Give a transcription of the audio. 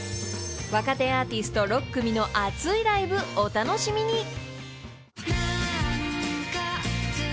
［若手アーティスト６組の熱いライブお楽しみに］